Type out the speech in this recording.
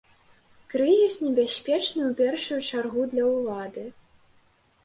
Крызіс небяспечны ў першую чаргу для ўлады.